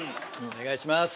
お願いします